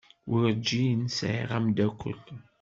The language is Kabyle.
Werǧin sɛiɣ ameddakel.